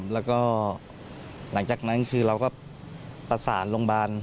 แล้วก็หลังจากนั้นคือเราก็ประสานโรงพยาบาล